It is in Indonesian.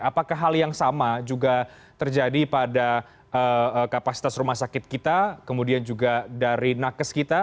apakah hal yang sama juga terjadi pada kapasitas rumah sakit kita kemudian juga dari nakes kita